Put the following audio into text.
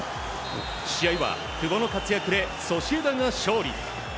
試合は久保の活躍でソシエダが勝利。